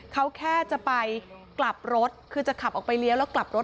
เขาแค่จะไปกลับรถคือจะขับออกไปเลี้ยวแล้วกลับรถ